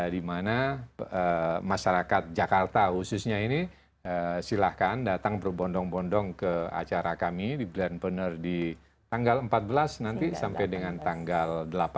di mana masyarakat jakarta khususnya ini silahkan datang berbondong bondong ke acara kami di blender di tanggal empat belas nanti sampai dengan tanggal delapan